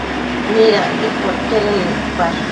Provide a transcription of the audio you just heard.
¿Midacquid podquedën nidpash?